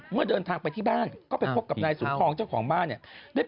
เมื่อเดินทางไปที่บ้านก็ไปพบกับนายสุนทองเจ้าของบ้านเนี่ย